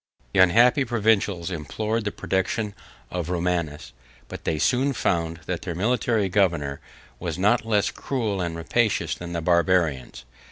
The unhappy provincials implored the protection of Romanus; but they soon found that their military governor was not less cruel and rapacious than the Barbarians.